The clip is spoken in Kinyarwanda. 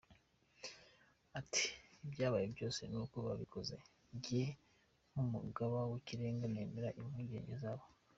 Ati “Ibyabaye byose n’uko babikoze, Njye nk’umugaba w’ikirenga nemera impungenge zabo.